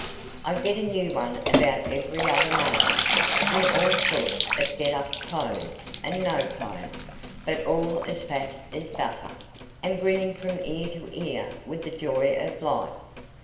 I get a new one about every other mail, in all sorts of get up, clothes and no clothes; but all as fat as butter, and grinning from ear to ear with the joy of life.